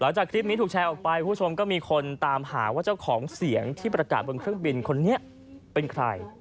จากคลิปนี้ถูกแชร์ออกไปคุณผู้ชมก็มีคนตามหาว่าเจ้าของเสียงที่ประกาศบนเครื่องบินคนนี้เป็นใคร